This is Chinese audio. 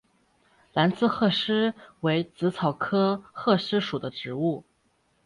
蓝刺鹤虱为紫草科鹤虱属的植物。